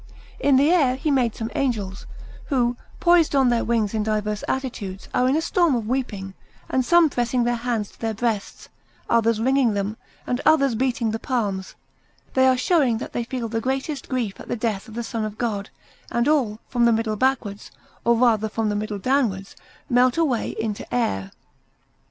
In the air he made some angels, who, poised on their wings in diverse attitudes, are in a storm of weeping; and some pressing their hands to their breasts, others wringing them, and others beating the palms, they are showing that they feel the greatest grief at the death of the Son of God; and all, from the middle backwards, or rather from the middle downwards, melt away into air.